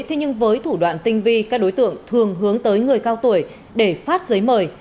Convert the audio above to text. thế nhưng với thủ đoạn tinh vi các đối tượng thường hướng tới người cao tuổi để phát giấy mời